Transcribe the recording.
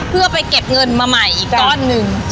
เพื่อไปเก็บเงินมาใหม่อีกก้อนหนึ่ง